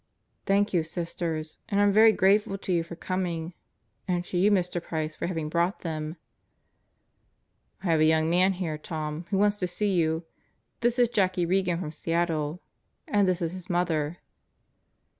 "Thank you, Sisters. And I'm very grateful to you for coming. And to you, Mr. Price, for having brought them." "I have a young man here, Tom, who wants to see you. This is Jackie Regan from Seattle. And this is his mother."